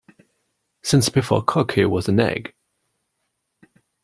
Since before cocky was an egg.